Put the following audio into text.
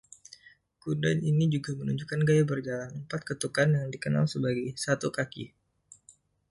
Kuda ini juga menunjukkan gaya berjalan empat ketukan yang dikenal sebagai "satu kaki".